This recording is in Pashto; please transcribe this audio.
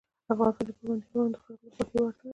افغانستان کې پابندی غرونه د خلکو د خوښې وړ ځای دی.